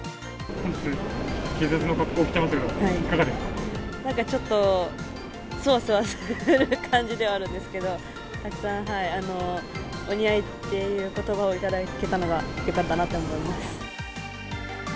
警察の格好してますが、なんかちょっと、そわそわする感じではあるんですけど、たくさんお似合いっていうことばを頂けたのがよかったなと思いま